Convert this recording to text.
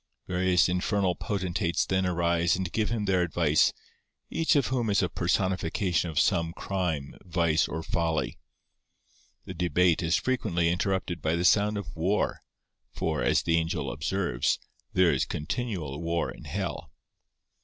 Various infernal potentates then arise and give him their advice, each of whom is a personification of some crime, vice, or folly. The debate is frequently interrupted by the sound of war; for, as the angel observes, there is continual war in hell.